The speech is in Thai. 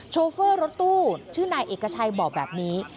โฟรถตู้ชื่อนายเอกชัยบอกแบบนี้